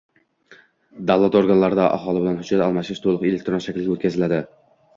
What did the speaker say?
davlat organlarida aholi bilan hujjat almashish to‘liq elektron shaklga o‘tkaziladi.